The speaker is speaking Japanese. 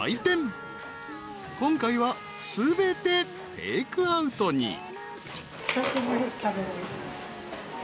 ［今回は全てテークアウトに］